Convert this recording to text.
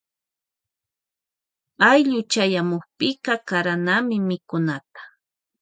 Ayllu chayamukpika karanami mikunata.